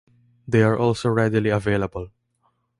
They are also readily available.